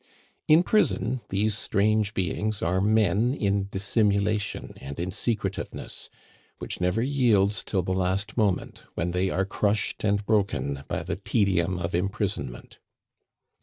In prison these strange beings are men in dissimulation and in secretiveness, which never yields till the last moment, when they are crushed and broken by the tedium of imprisonment.